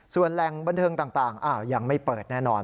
ส่วนแหล่งบันเทิงต่างยังไม่เปิดแน่นอน